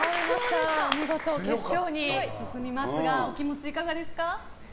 上松さん、お見事決勝に進みますがお気持ちはいかがですか？